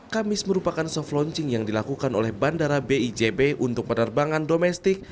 kamis merupakan soft launching yang dilakukan oleh bandara bijb untuk penerbangan domestik